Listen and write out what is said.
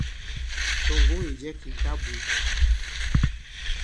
Tɔ̀ ŋgǒŋ ì jɛ kì mɛ̀ ta bwě.».